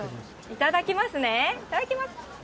いただきます。